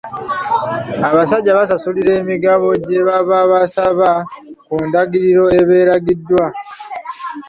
Abasaba basasulira emigabo gye baba basaba ku ndagiriro eba eragiddwa.